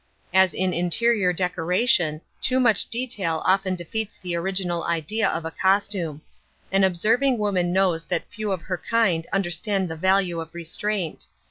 As in interior decoration, too much detail often defeats the original idea of a costume. An observing woman knows that few of her kind understand the value of restraint.